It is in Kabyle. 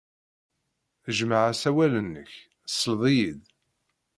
Jmeɛ asawal-nnek, tesled-iyi-d.